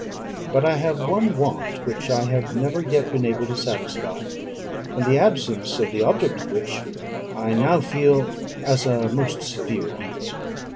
But I have one want which I have never yet been able to satisfy; and the absence of the object of which I now feel as a most severe evil.